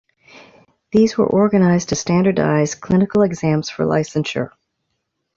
These were organized to standardize clinical exams for licensure.